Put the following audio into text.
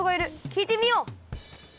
きいてみよう！